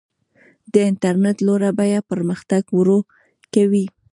د انټرنیټ لوړه بیه پرمختګ ورو کوي.